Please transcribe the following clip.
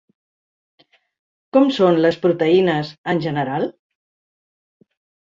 Com són les proteïnes, en general?